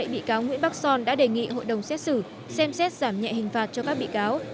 bị cáo nguyễn bắc son đã đề nghị hội đồng xét xử xem xét giảm nhẹ hình phạt cho các bị cáo